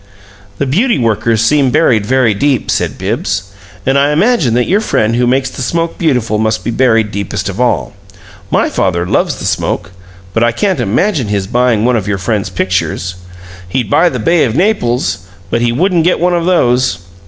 "The beauty workers seem buried very deep," said Bibbs. "And I imagine that your friend who makes the smoke beautiful must be buried deepest of all. My father loves the smoke, but I can't imagine his buying one of your friend's pictures. He'd buy the 'Bay of Naples,' but he wouldn't get one of those.